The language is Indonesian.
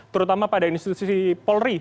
terutama pada institusi polri